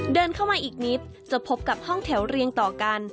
เดินเข้ามาอีกนิดจะพบกับห้องแถวเรียงต่อกัน